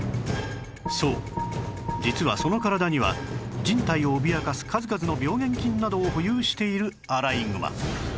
そう実はその体には人体を脅かす数々の病原菌などを保有しているアライグマ